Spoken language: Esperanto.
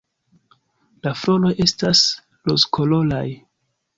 La floroj estas rozkoloraj.